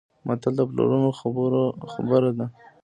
متل د پلرونو خبره ده.